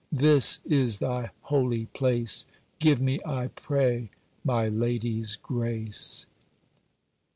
This is thy holy place, Give me, I pray, my lady's grace!"